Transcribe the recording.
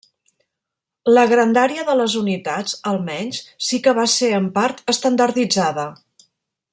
La grandària de les unitats, almenys, sí que va ser en part estandarditzada.